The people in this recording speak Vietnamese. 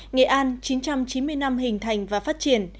nghệ an chín trăm chín mươi năm hình thành và phát triển